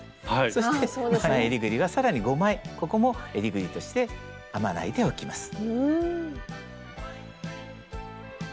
そして前えりぐりは更に５枚ここもえりぐりとして編まないでおきます。